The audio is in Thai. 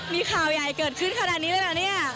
มีข่าวใหญ่เกิดขึ้นขนาดนี้เลยนะเนี่ย